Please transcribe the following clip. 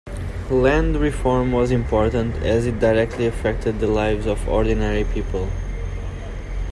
Land reform was important as it directly affected the lives of ordinary people.